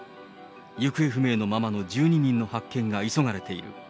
行方不明のままの１２人の発見が急がれている。